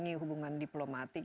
mengurangi hubungan diplomatik